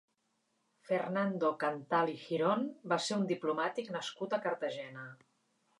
Fernando Canthal i Girón va ser un diplomàtic nascut a Cartagena.